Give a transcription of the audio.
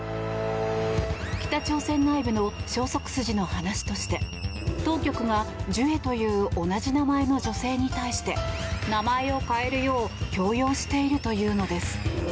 北朝鮮内部の消息筋の話として当局が、ジュエという同じ名前の女性に対して名前を変えるよう強要しているというのです。